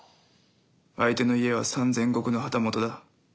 相手の家は３千石の旗本だ。